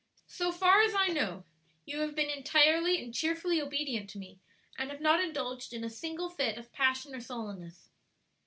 So far as I know, you have been entirely and cheerfully obedient to me, and have not indulged in a single fit of passion or sullenness."